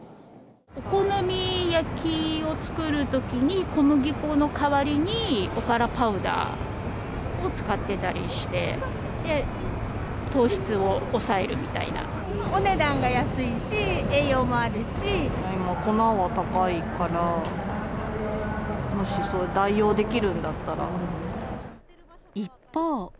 お好み焼きを作るときに、小麦粉の代わりにおからパウダーを使ってたりして、糖質を抑えるお値段が安いし、栄養もある今、粉が高いから、もし、一方。